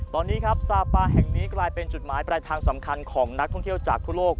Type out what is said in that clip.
ตอนนี้ครับซาปาแห่งนี้กลายเป็นจุดหมายปลายทางสำคัญของนักท่องเที่ยวจากทั่วโลก